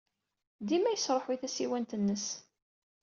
Dima yesṛuḥuy tasiwant-nnes.